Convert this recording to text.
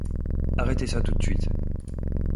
Arrêtez ça tout de suite !